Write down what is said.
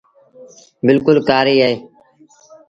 بلڪُل ڪآري اهي۔